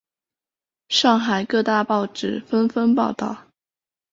上海各大报纸纷纷报道。